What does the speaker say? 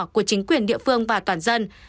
của chính quyền địa phương và toàn dân